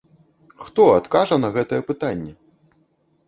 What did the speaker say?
Хто адкажа на гэтае пытанне?